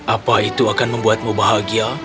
apa itu akan membuatmu bahagia